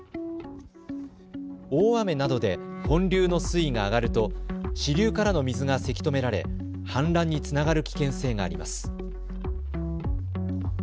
大雨などで本流の水位が上がると支流からの水がせき止められ氾濫につながる危険性があります。